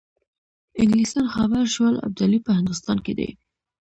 انګلیسان خبر شول ابدالي په هندوستان کې دی.